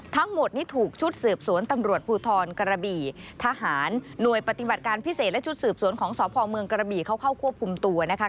ทั้งหมดนี้ถูกชุดสืบสวนตำรวจภูทรกระบี่ทหารหน่วยปฏิบัติการพิเศษและชุดสืบสวนของสพเมืองกระบี่เขาเข้าควบคุมตัวนะคะ